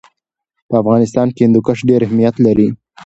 په افغانستان کې هندوکش ډېر اهمیت لري.